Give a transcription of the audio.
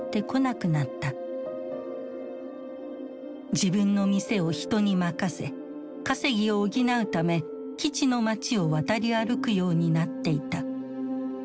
自分の店を人に任せ稼ぎを補うため基地の街を渡り歩くようになっていた。